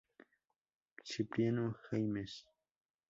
Cipriano Jaimes.